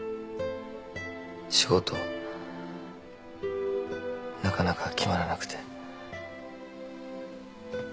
仕事なかなか決まらなくて。